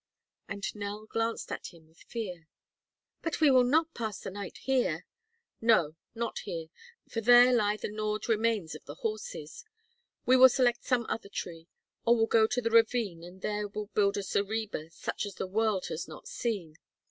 And Nell glanced at him with fear. "But we will not pass the night here." "No, not here, for there lie the gnawed remains of the horses; we will select some other tree, or will go to the ravine and there will build a zareba such as the world has not seen.